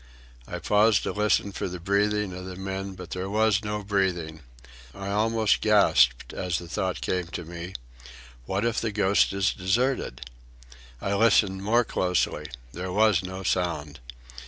I paused to listen for the breathing of the men, but there was no breathing. I almost gasped as the thought came to me: What if the Ghost is deserted? I listened more closely. There was no sound.